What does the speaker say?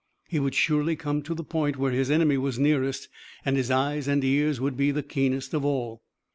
He would surely come to the point where his enemy was nearest, and his eyes and ears would be the keenest of all.